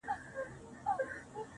هر څه هېره كاندي,